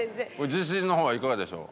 自信の方はいかがでしょう？